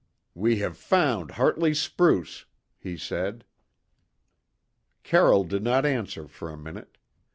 "We have found Hartley's spruce," he said. Carroll did not answer for a minute.